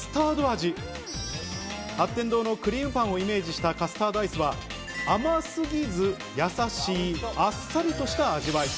天堂のくりーむパンをイメージしたカスタードアイスは、甘すぎず、やさしいあっさりとした味わい。